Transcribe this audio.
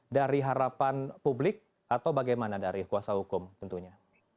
dari harapan publik atau bagaimana dari kuasa hukum tentunya